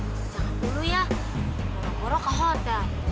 jangan dulu ya boro boro ke hotel